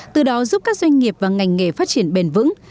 từ đó giúp các doanh nghiệp và ngành nghề phát triển bền vững